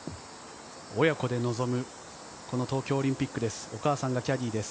親子で臨む東京オリンピックです。